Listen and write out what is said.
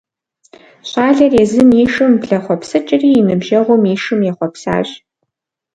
Щӏалэр езым и шым блэхъуэпсыкӏри и ныбжьэгъум и шым ехъуэпсащ.